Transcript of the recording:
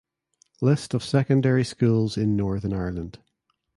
List of secondary schools in Northern Ireland